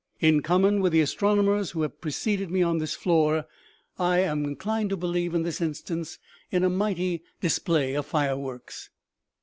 In common with the astronomers who have preceded me on this floor, I 70 OMEGA, am inclined to believe, in this instance, in a mighty dis play of fire works."